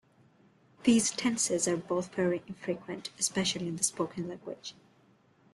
These tenses are both very infrequent, especially in the spoken language.